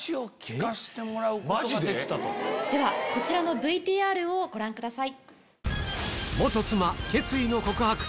ではこちらのＶＴＲをご覧ください。